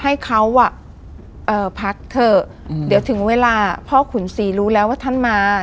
ให้เขาอ่ะเอ่อพักเถอะเดี๋ยวถึงเวลาพ่อขุนศรีรู้แล้วว่าท่านมา